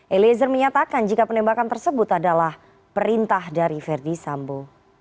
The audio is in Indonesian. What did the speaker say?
eliezer menyatakan jika penembakan tersebut adalah perintah dari verdi sambo